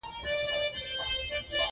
دا سیمه او دلته اَذيره په همدې نوم یادیږي.